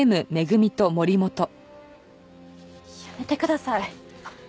やめてください。